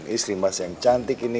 istri mas yang cantik ini